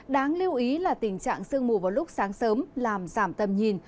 đáng lưu ý là tình trạng sương mù vào lúc sáng sớm làm giảm tầm nhìn